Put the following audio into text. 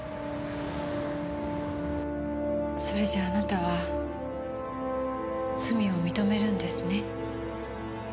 それじゃああなたは罪を認めるんですね？